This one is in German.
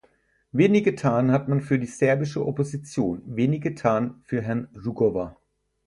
Wenig getan hat man für die serbische Opposition, wenig getan für Herrn Rugova.